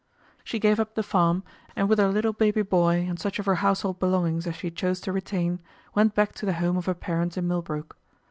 She gave up the farm, and with her little baby boy and such of her household belongings as she chose to retain, went back to the home of her parents in Millbrook.